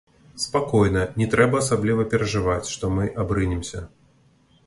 Спакойна, не трэба асабліва перажываць, што мы абрынемся.